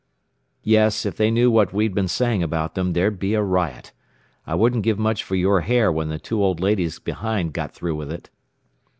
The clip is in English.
Yes, if they knew what we'd been saying about them there'd be a riot. I wouldn't give much for your hair when the two old ladies behind got through with it."